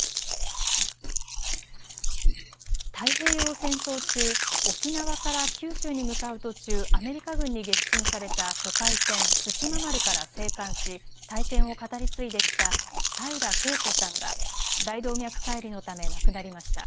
太平洋戦争中、沖縄から九州に向かう途中、アメリカ軍に撃沈された疎開船、対馬丸から生還し体験を語り継いできた平良啓子さんが大動脈解離のため亡くなりました。